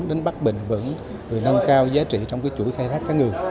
đến bắt bền vững rồi nâng cao giá trị trong chuỗi khai thác cá ngừ